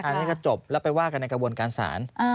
อันนี้ก็จบแล้วไปว่ากันในกระบวนการศาล